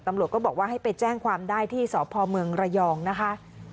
ตำรวจก็บอกว่าให้ไปแจ้งความได้ที่สพเมืองระยองนะคะ